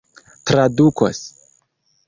tradukos